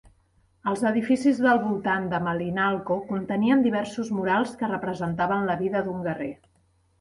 Els edificis del voltant de Malinalco contenien diversos murals que representaven la vida d'un guerrer.